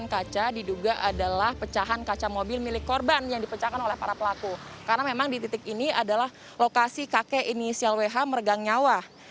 karena memang di titik ini adalah lokasi kakek inisial wh meregang nyawa